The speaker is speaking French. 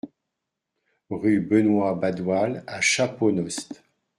Rue Benoit Badoil à Chaponost